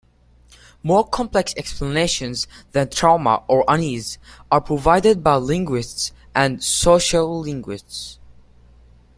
More complex explanations than "trauma" or "unease" are provided by linguists and sociolinguists.